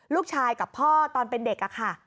ลูกชายกับพ่อตอนเป็นเด็กค่ะ